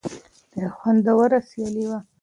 دا یوه خوندوره سیالي وه.